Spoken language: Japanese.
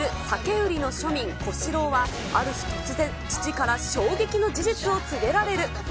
売りの庶民、小四郎は、ある日突然、父から衝撃の事実を告げられる。